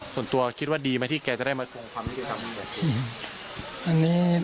ส่วนตัวคิดว่าดีไหมที่แกจะได้มาคงความนิดหนึ่ง